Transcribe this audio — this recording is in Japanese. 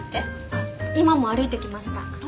あっ今も歩いてきました。